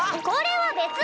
これは別！